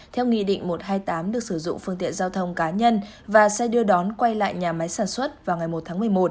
theo nghị định một trăm hai mươi tám được sử dụng phương tiện giao thông cá nhân và xe đưa đón quay lại nhà máy sản xuất vào ngày một tháng một mươi một